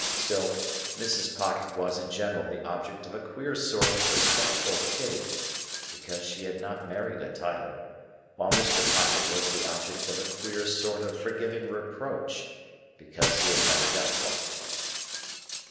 Still, Mrs. Pocket was in general the object of a queer sort of respectful pity, because she had not married a title; while Mr. Pocket was the object of a queer sort of forgiving reproach, because he had never got one.